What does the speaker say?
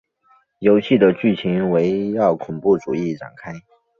游戏的剧情围绕恐怖主义展开。